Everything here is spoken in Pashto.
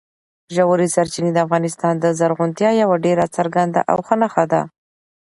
ژورې سرچینې د افغانستان د زرغونتیا یوه ډېره څرګنده او ښه نښه ده.